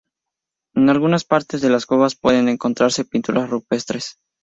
En algunas partes de las cuevas pueden encontrarse pinturas rupestres.